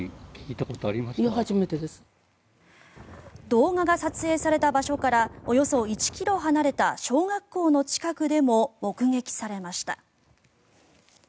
動画が撮影された場所からおよそ１ｋｍ離れた小学校の近くでも目撃されました。